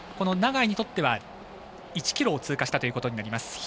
永井にとっては１ｋｍを通過したということになります。